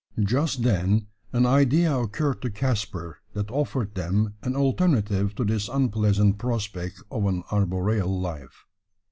Just then an idea occurred to Caspar that offered them an alternative to this unpleasant prospect of an arboreal life.